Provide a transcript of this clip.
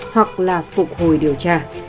hoặc là phục hồi điều tra